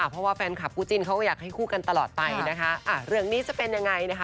เพราะว่าแฟนคลับคู่จิ้นเขาก็อยากให้คู่กันตลอดไปนะคะเรื่องนี้จะเป็นยังไงนะคะ